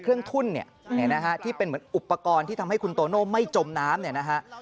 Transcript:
เครื่องทุ่นที่เป็นเหมือนอุปกรณ์ที่ทำให้คุณโตโน่ไม่จมน้ำ